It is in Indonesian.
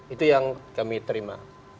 itu yang kami terima